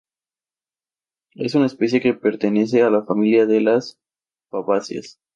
Es una especie que pertenece a la familia de las fabáceas.